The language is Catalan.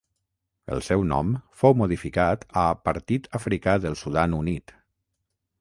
El seu nom fou modificat a Partit Africà del Sudan Unit.